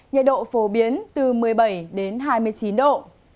nhiệt độ phổ biến từ một mươi bảy đến hai mươi chín độ